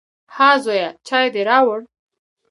_ها زويه، چای دې راووړ؟